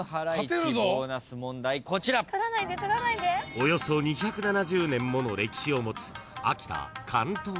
［およそ２７０年もの歴史をもつ］